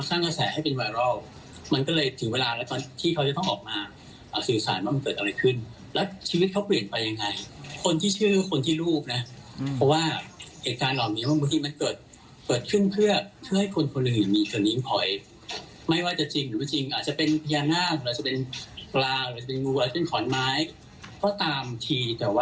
ก็ให้นับถืออย่างอื่นนับถือตัวเองก็ได้